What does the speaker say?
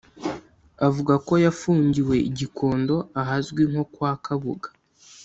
avuga ko yafungiwe i Gikondo ahazwi nko kwa Kabuga